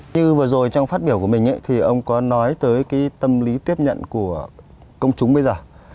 như vừa rồi trong phát biểu của mình thì ông có nói tới cái tâm lý tiếp nhận của công chúng bây giờ